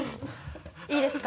いいですか？